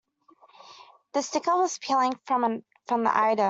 The sticker was peeling from the item.